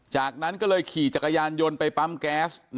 จากนั้นก็เลยขี่จักรยานยนต์ไปปั๊มแก๊ส